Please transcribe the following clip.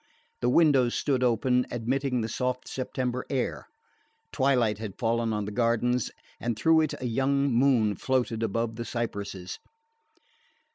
The windows stood open, admitting the soft September air. Twilight had fallen on the gardens, and through it a young moon floated above the cypresses.